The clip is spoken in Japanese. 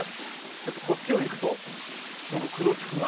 ちょっとこっちを行くとそのクロチクが。